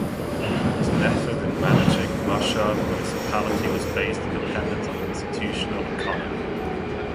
His method in managing Mashhad Municipality was based on dependence on institutional economy.